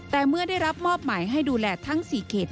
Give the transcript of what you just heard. แต่เมื่อได้รับมอบหมายให้ดูแลทั้ง๔เขต